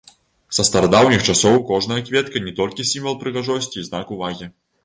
Са старадаўніх часоў кожная кветка не толькі сімвал прыгажосці і знак увагі.